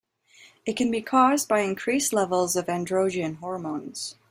It can be caused by increased levels of androgen hormones.